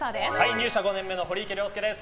入社５年目の堀池亮介です。